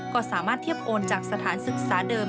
ก็สามารถเทียบโอนจากสถานศึกษาเดิม